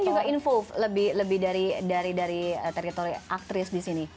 dan juga involve lebih dari teritori aktris disini